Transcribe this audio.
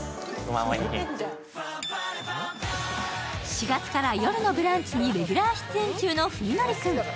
４月から「よるのブランチ」にレギュラー出演中の史記君。